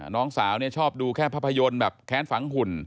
น้องสาวชอบดูแค่ภาพยนตร์แบบแค้นฝังหุ่น